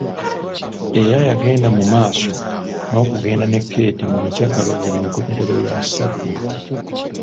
Era yagenda mu maaso n’okugenda ne Keeti mu mikyakalo buli nkomerero ya ssabbiiti.